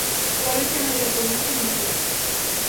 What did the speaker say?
O Valencia medíase ao Venecia en Hungría.